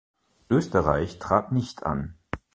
Österreich trat nicht an.